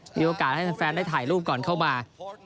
มีโอกาสให้แฟนได้ถ่ายรูปก่อนเข้ามา